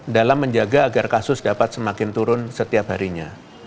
dalam menjaga agar kasus dapat semakin turun setiap harinya